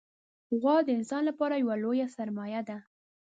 غوا د انسان لپاره یوه لویه سرمایه ده.